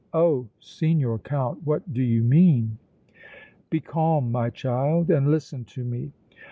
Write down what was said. Oh! Signor Count, what do you mean?" "Be calm, my child, and listen to me.